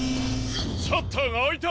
シャッターがあいた！